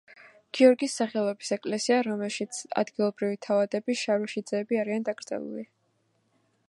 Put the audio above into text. გიორგის სახელობის ეკლესია, რომელშიც ადგილობრივი თავადები შარვაშიძეები არიან დაკრძალული.